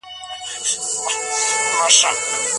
خاوند او مېرمن بايد څنګه نفل لمونځ وکړي؟